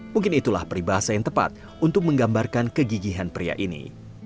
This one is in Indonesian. mungkin itulah peribahasa yang tepat untuk menggambarkan kegigihan pria ini